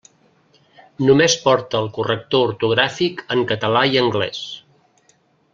Només porta el corrector ortogràfic en català i anglès.